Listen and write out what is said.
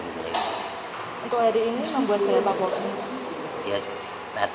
untuk hari ini membuat berapa porsi